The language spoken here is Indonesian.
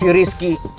sama si rizky